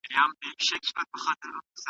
زما وړه خور په سپینه پاڼه د ګلانو نقشه وباسي.